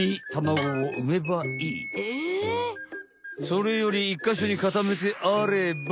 それより１かしょにかためてあれば。